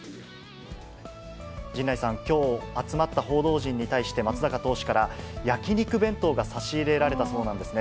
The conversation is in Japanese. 陣内さん、きょう集まった報道陣に対して松坂投手から、焼き肉弁当が差し入れられたそうなんですね。